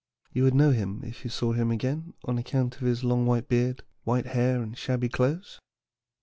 You would know him if you saw him again on account of his long white beard, white hair, and shabby clothes.